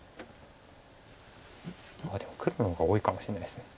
ああでも黒の方が多いかもしれないです。